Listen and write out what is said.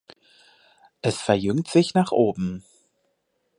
Es verjüngt sich nach oben.